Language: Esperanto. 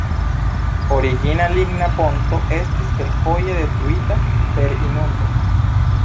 Origina ligna ponto estis kelkfoje detruita per inundo.